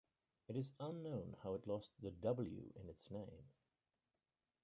It is unknown how it lost the "w" in its name.